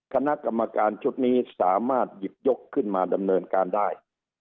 คณะกรรมการชุดนี้สามารถหยิบยกขึ้นมาดำเนินการได้